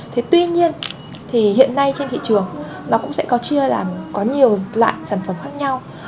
thế tuy nhiên thì hiện nay trên thị trường nó cũng sẽ có chia làm có nhiều loại sản phẩm khác nhau